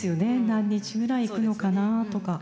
何日ぐらい行くのかなとか。